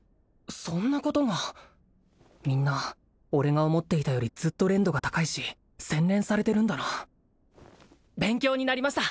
そんなことがみんな俺が思っていたよりずっと練度が高いし洗練されてるんだな勉強になりました